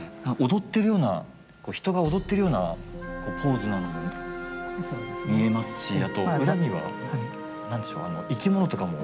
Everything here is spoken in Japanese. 踊ってるような人が踊ってるようなポーズなのも見えますしあと裏には何でしょう生き物とかも。